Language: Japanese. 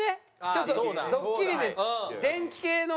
ちょっとドッキリで電気系の。